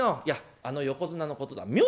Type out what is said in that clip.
いやあの横綱のことだ。